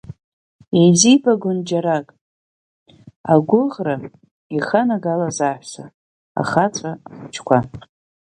Еизибагон џьарак, агурӷьара иханагалоз аҳәса, ахацәа, ахуҷқуа.